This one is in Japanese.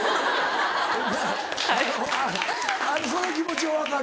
その気持ちは分かる。